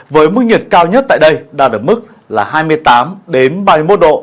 với mức nhiệt cao nhất tại đây đạt ở mức là hai mươi tám ba mươi một độ